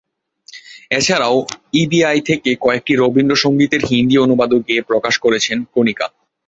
এছাড়াও E B I থেকে কয়েকটি রবীন্দ্রসঙ্গীতের হিন্দি অনুবাদও গেয়ে প্রকাশ করেছেন কণিকা।